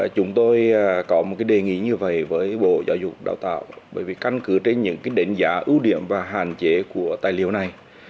chúng tôi có một đề nghị như vậy với bộ giáo dục đào tạo bởi vì căn cứ trên những đánh giá ưu điểm và hạn chế của tài liệu này